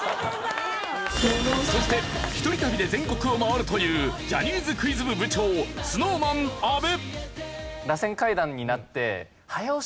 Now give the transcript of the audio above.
そして一人旅で全国を回るというジャニーズクイズ部部長ＳｎｏｗＭａｎ阿部。